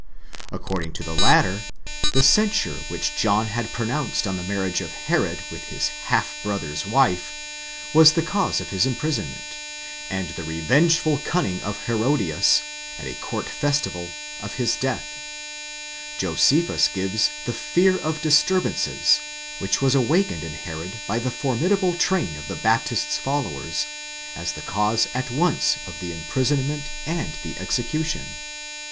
According to the latter, the censure which John had pronounced on the marriage of Herod with his (half) brother's 3 wife, was the cause of his imprisonment, and the revengeful cunning of Herodias, at a court festival, of his death: Josephus gives the fear of disturbances, which was awakened in Herod by the formidable train of the Baptist's followers, as the cause at once of the imprisonment and the execution.